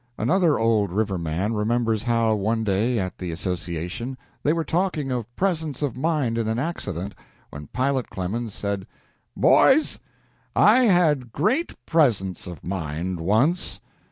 Another old river man remembers how, one day, at the association, they were talking of presence of mind in an accident, when Pilot Clemens said: "Boys, I had great presence of mind once.